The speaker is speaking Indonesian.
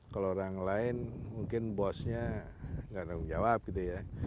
kalau orang lain mungkin bosnya nggak tanggung jawab gitu ya